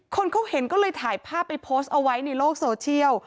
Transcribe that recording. คนเขาเห็นก็เลยถ่ายภาพไปโพสต์เอาไว้ในโลกโซเชียล